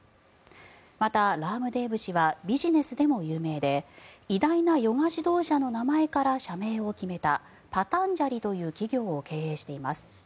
また、ラームデーブ氏はビジネスでも有名で偉大なヨガ指導者の名前から社名を決めたパタンジャリという企業を経営しています。